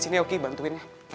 sini oke bantuin ya